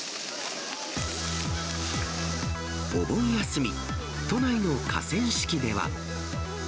お盆休み、都内の河川敷では。